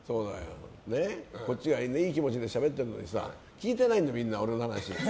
こっちがいい気持ちでしゃべってるのに聞いてないんだ、みんな俺の話。